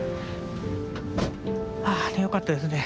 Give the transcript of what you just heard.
ああよかったですね